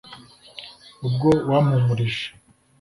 ubwo wampumurije